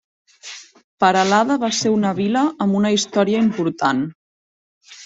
Peralada va ser una vila amb una història important.